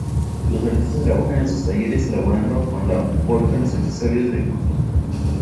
Los artistas trabajan en sus talleres elaborando con la forja los accesorios de culto.